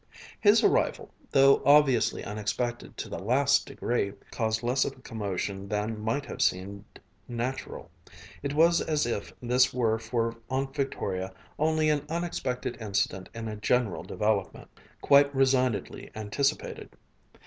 His arrival, though obviously unexpected to the last degree, caused less of a commotion than might have seemed natural. It was as if this were for Aunt Victoria only an unexpected incident in a general development, quite resignedly anticipated.